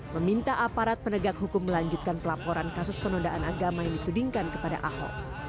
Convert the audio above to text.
meminta aparat penegak hukum melanjutkan pelaporan kasus penodaan agama yang ditudingkan kepada ahok